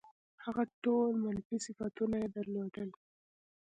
هغه ټول منفي صفتونه یې درلودل.